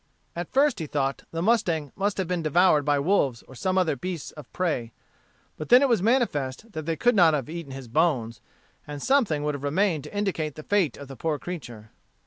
At first he thought the mustang must have been devoured by wolves or some other beasts of prey. But then it was manifest they could not have eaten his bones, and something would have remained to indicate the fate of the poor creature.